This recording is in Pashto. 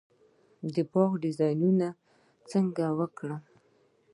د باغ ډیزاین څنګه وکړم؟